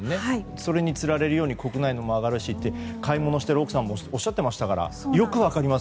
それにつられるように国内のも上がるしって買い物している奥さんもおっしゃっていましたからよく分かります。